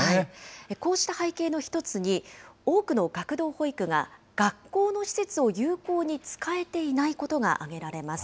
こうした背景の一つに、多くの学童保育が学校の施設を有効に使えていないことが挙げられます。